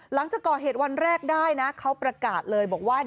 หลังจากก่อเหตุวันแรกได้นะเขาประกาศเลยบอกว่า